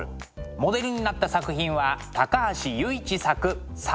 モデルになった作品は高橋由一作「鮭」です。